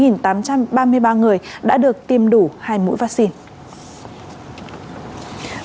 một tám trăm ba mươi ba người đã được tiêm đủ hai mũi vaccine